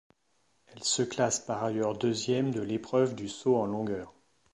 Elle se classe par ailleurs deuxième de l'épreuve du saut en longueur.